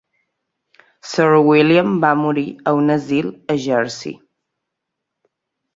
Sir William va morir a un asil a Jersey.